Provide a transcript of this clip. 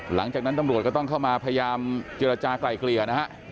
หลังจากนั้นตำรวจก็ต้องเข้ามาพยายามเจรจากลายเกลี่ยนะฮะ